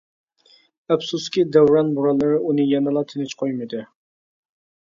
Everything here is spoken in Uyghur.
ئەپسۇسكى، دەۋران بورانلىرى ئۇنى يەنىلا تىنچ قويمىدى.